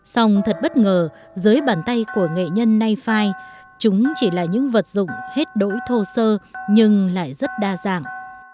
xong thật bất ngờ dưới bàn tay của nghệ nhân nay phai chúng chỉ là những vật dụng hết đỗi thô sơ nhưng lại rất đa dạng